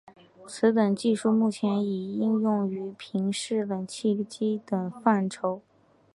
此等技术目前已应用于变频式冷气机等范畴。